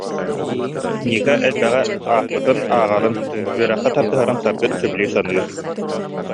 Ника элбэҕи аахпытын, ааҕарын, үөрэххэ тардыһарын Саргы сөбүлүү саныыр